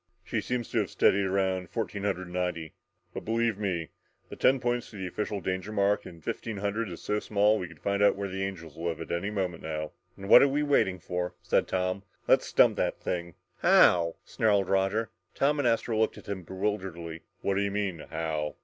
"She seems to have steadied around fourteen hundred ninety and believe me, the ten points to the official danger mark of fifteen hundred is so small that we could find out where the angels live any moment now!" "Then what're we waiting for," said Tom. "Let's dump that thing!" "How?" snarled Roger. Tom and Astro looked at him bewilderedly. "What do you mean 'how'?"